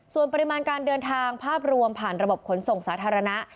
ส่วนปริมาณการเดินทางภาพรวมผ่านระบบขนส่งสาธารณะ